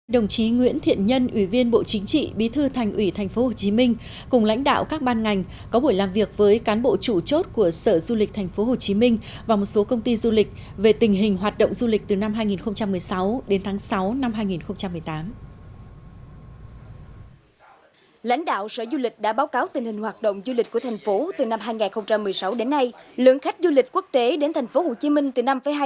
đồng chí nguyễn thiện nhân ủy viên bộ chính trị bí thư thành ủy tp hcm cùng lãnh đạo các ban ngành có buổi làm việc với cán bộ chủ chốt của sở du lịch tp hcm và một số công ty du lịch về tình hình hoạt động du lịch từ năm hai nghìn một mươi sáu đến tháng sáu năm hai nghìn một mươi tám